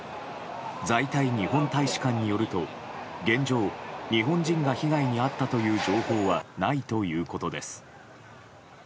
在タイ日本大使館によると現状、日本人が被害に遭ったという情報はないということです。